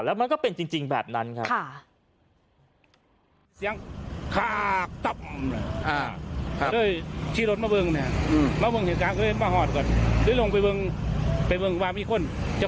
แล้วมันก็เป็นจริงแบบนั้นครับ